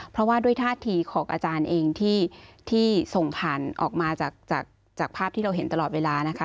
เพราะว่าด้วยท่าทีของอาจารย์เองที่ส่งผ่านออกมาจากภาพที่เราเห็นตลอดเวลานะคะ